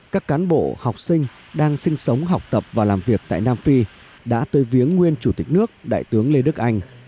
các cán bộ học sinh đang sinh sống học tập và làm việc tại nam phi đã tới viếng nguyên chủ tịch nước đại tướng lê đức anh